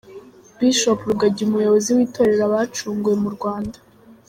Bishop Rugagi umuyobozi w'itorero Abacunguwe mu Rwanda.